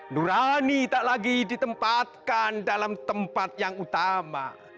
nurani tak lagi ditempatkan dalam tempat yang utama